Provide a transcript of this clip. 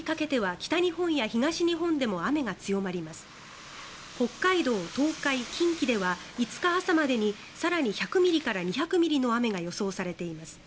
北海道、東海、近畿では５日朝までに更に１００ミリから２００ミリの雨が予想されています。